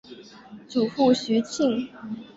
祖父徐庆。